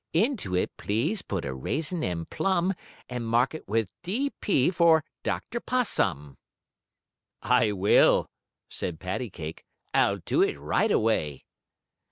Into it please put a raisin and plum, And mark it with D. P. for Dr. Possum." "I will," said Paddy Kake. "I'll do it right away."